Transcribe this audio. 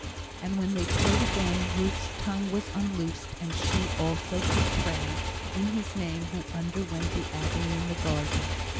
And when they prayed again, Ruth's tongue was unloosed, and she also could pray, in His name, who underwent the agony in the garden.